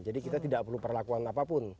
jadi kita tidak perlu perlakuan apapun